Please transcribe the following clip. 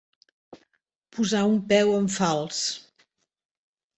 Posar un peu en fals.